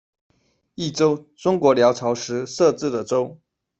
益州，中国辽朝时设置的州。